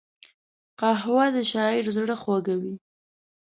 قهوه د شاعر زړه خوږوي